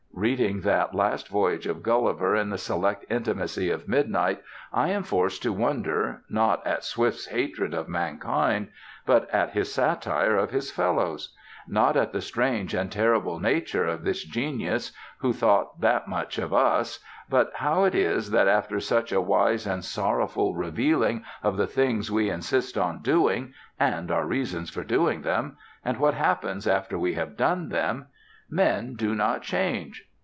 Reading that last voyage of Gulliver in the select intimacy of midnight I am forced to wonder, not at Swift's hatred of mankind, not at his satire of his fellows, not at the strange and terrible nature of this genius who thought that much of us, but how it is that after such a wise and sorrowful revealing of the things we insist on doing, and our reasons for doing them, and what happens after we have done them, men do not change.